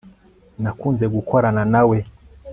nakunze gukorana nawe